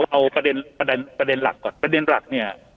เอาประเด็นหลักก่อนประเด็นหลักเนี่ย